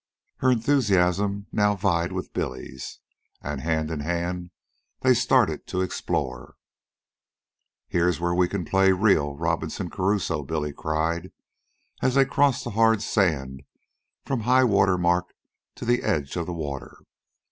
Her enthusiasm now vied with Billy's, and, hand in hand, they started to explore. "Here's where we can play real Robinson Crusoe," Billy cried, as they crossed the hard sand from highwater mark to the edge of the water.